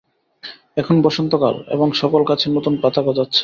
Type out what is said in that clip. এখন বসন্তকাল এবং সকল গাছের নতুন পাতা গজাচ্ছে।